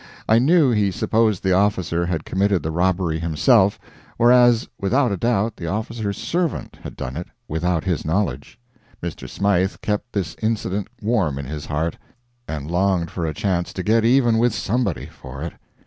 I knew he supposed the officer had committed the robbery himself, whereas without a doubt the officer's servant had done it without his knowledge. Mr. Smythe kept this incident warm in his heart, and longed for a chance to get even with somebody for it.